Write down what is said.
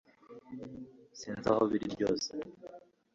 sinzi aho biri ryose